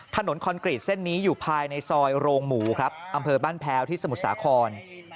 คอนกรีตเส้นนี้อยู่ภายในซอยโรงหมูครับอำเภอบ้านแพ้วที่สมุทรสาคร